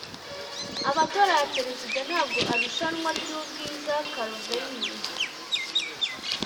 amatora ya perezida ntabwo arushanwa ryubwiza clavain